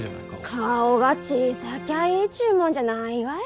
顔が小さきゃいいっちゅうもんじゃないがよ